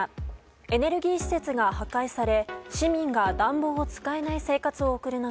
エネルギー施設が破壊され市民が暖房を使えない生活を送る中